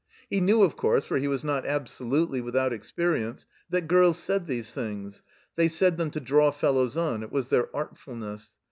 He knew, of cottrse, for he was not absolutely without experience, that girls said these things; they said them to draw fellows on; it was their artfulness.